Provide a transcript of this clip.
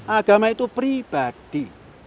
agama itu pribadi